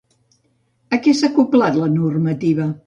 A què s'ha acoblat la normativa?